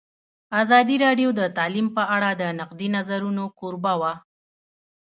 ازادي راډیو د تعلیم په اړه د نقدي نظرونو کوربه وه.